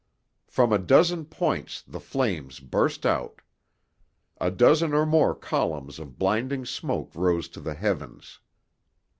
From a dozen points the flames burst out. A dozen or more columns of blinding smoke rose to the heavens.